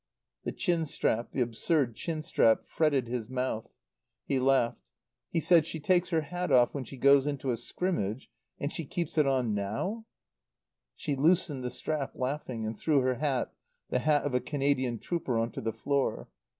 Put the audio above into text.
The chin strap, the absurd chin strap, fretted his mouth. He laughed. He said, "She takes her hat off when she goes into a scrimmage, and she keeps it on now!" She loosened the strap, laughing, and threw her hat, the hat of a Canadian trooper, on to the floor.